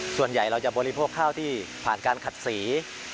ส่วนใหญ่เราจะบริโภคข้าวที่ผ่านการขัดสี